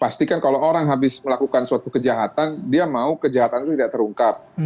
pastikan kalau orang habis melakukan suatu kejahatan dia mau kejahatan itu tidak terungkap